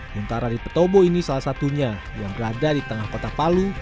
huntara di petobo ini salah satunya yang berada di tengah kota palu